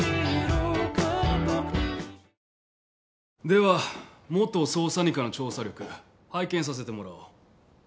では元捜査二課の調査力拝見させてもらおう。